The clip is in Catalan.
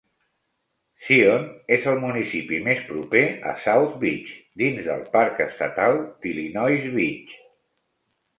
Zion és el municipi més proper a South Beach dins del Parc Estatal d'Illinois Beach.